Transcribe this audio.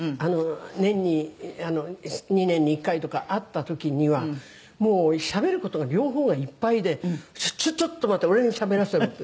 年に２年に１回とか会った時にはもうしゃべる事が両方がいっぱいで“ちょっと待て俺にしゃべらせろ”って」